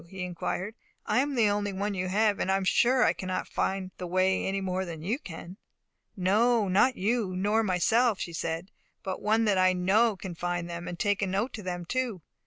he inquired. "I am the only one you have; and I am sure I cannot find the way any more than you can." "No, not you, nor myself," she said; "but one that I know can find them, and can take a note to them too."